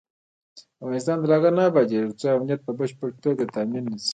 افغانستان تر هغو نه ابادیږي، ترڅو امنیت په بشپړه توګه تامین نشي.